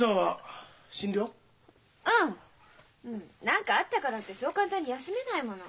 何かあったからってそう簡単に休めないもの。